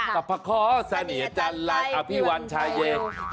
จับผ้าค้อแสดงใหญ่จันทร์ไลค์อภิวัณฑ์ชายเย